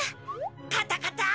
カタカタ！